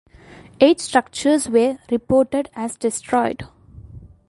Eight structures were reported as destroyed.